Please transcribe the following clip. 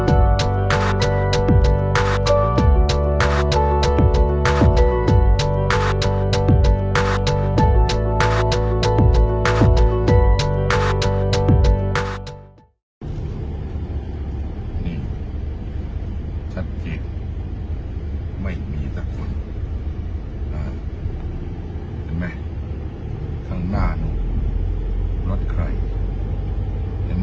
อ่าเป็นไงครับไปร้านรอดแม่งล่ะเช่น